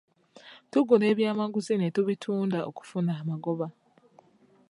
Tugula ebyamaguzi ne tubitunda okufuna amagoba.